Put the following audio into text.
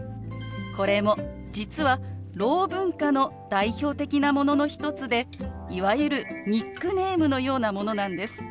これも実はろう文化の代表的なものの一つでいわゆるニックネームのようなものなんです。